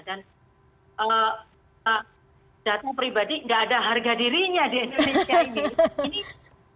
dan data pribadi gak ada harga dirinya di indonesia ini